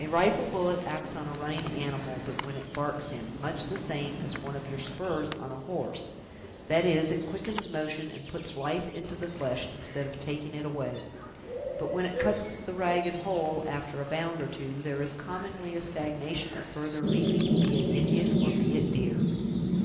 A rifle bullet acts on a running animal, when it barks him, much the same as one of your spurs on a horse; that is, it quickens motion, and puts life into the flesh, instead of taking it away. But when it cuts the ragged hole, after a bound or two, there is, commonly, a stagnation of further leaping, be it Indian or be it deer!"